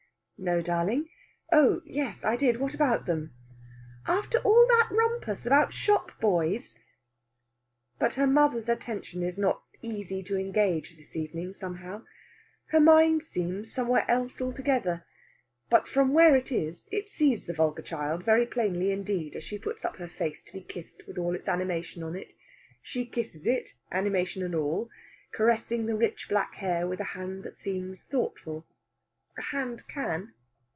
"No, darling. Oh yes, I did. What about them?" "After all that rumpus about shop boys!" But her mother's attention is not easy to engage this evening, somehow. Her mind seems somewhere else altogether. But from where it is, it sees the vulgar child very plainly indeed, as she puts up her face to be kissed with all its animation on it. She kisses it, animation and all, caressing the rich black hair with a hand that seems thoughtful. A hand can.